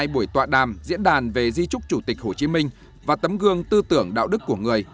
hai buổi tọa đàm diễn đàn về di trúc chủ tịch hồ chí minh và tấm gương tư tưởng đạo đức của người